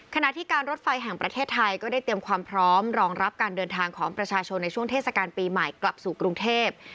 ขณะที่การรถไฟแห่งประเทศไทยก็ได้เตรียมความพร้อมรองรับการเดินทางของประชาชนในช่วงเทศกาลปีใหม่กลับสู่กรุงเทพ